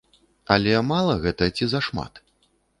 Але мала гэта ці зашмат?